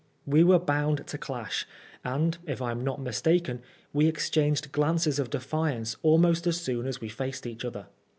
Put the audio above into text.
We were bound to clash, and, if I am not mistaken, we exchanged glances of defiance almost as soon as we faced each other.